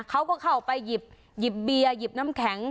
เขาก็เข้าไปหยิบเบียร์หยิบน้ำแข็ง